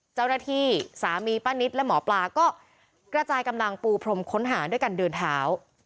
เจ้าหน้าที่สามีป้านิตและหมอปลาก็กระจายกำลังปูพรมค้นหาด้วยการเดินเท้า